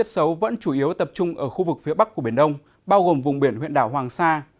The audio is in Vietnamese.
tập trung ở khu vực phía bắc của biển đông bao gồm vùng biển huyện đảo hoàng sa